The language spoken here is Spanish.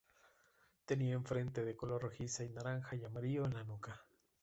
Tenía en la frente de color rojiza y naranja y amarillo en la nuca.